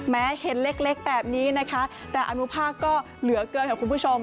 เห็นเล็กแบบนี้นะคะแต่อนุภาคก็เหลือเกินค่ะคุณผู้ชม